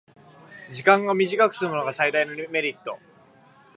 時間が短くすむのが最大のメリット